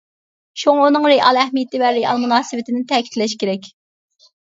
شۇڭا ئۇنىڭ رېئال ئەھمىيىتى ۋە رېئال مۇناسىۋىتىنى تەكىتلەش كېرەك.